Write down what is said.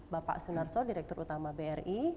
bapak sunar so direktur utama bri